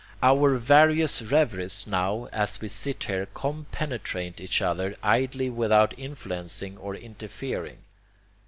Our various reveries now as we sit here compenetrate each other idly without influencing or interfering.